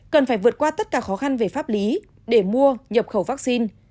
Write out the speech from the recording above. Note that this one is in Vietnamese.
cần phải vượt qua tất cả khó khăn về pháp lý để mua nhập khẩu vaccine